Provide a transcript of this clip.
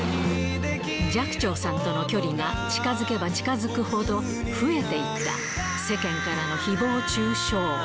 寂聴さんとの距離が近づけば近づくほど増えていった世間からのひぼう中傷。